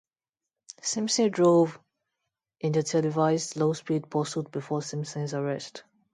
Simpson drove in their televised low-speed pursuit before Simpson's arrest.